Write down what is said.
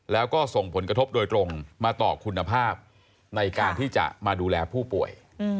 แล้วก็ส่งผลกระทบโดยตรงมาต่อคุณภาพในการที่จะมาดูแลผู้ป่วย